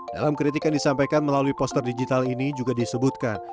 dalam kritikan disampaikan melalui poster digital ini juga disebutkan